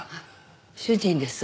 主人です。